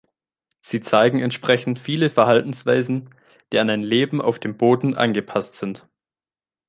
Sie zeigen entsprechend viele Verhaltensweisen, die an ein Leben auf dem Boden angepasst sind.